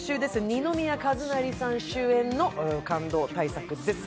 二宮和也さん主演の感動大作です。